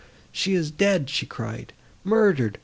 "She is dead!" she cried,—"murdered!